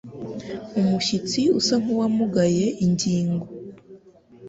umushyitsi usa nkuwamugaye ingingo